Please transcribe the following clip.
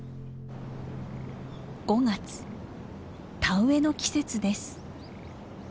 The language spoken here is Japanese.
田植えの季節です。